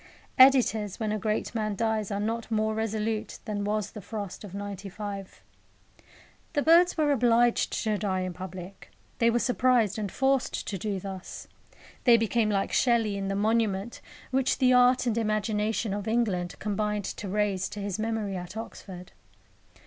Editors, when a great man dies, are not more resolute than was the frost of '95. The birds were obliged to die in public. They were surprised and forced to do thus. They became like Shelley in the monument which the art and imagination of England combined to raise to his memory at Oxford.